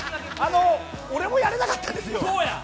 俺もやれなかったんですよ。